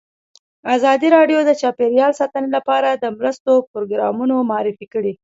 ازادي راډیو د چاپیریال ساتنه لپاره د مرستو پروګرامونه معرفي کړي.